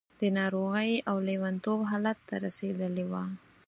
د ناروغۍ او لېونتوب حالت ته رسېدلې وه.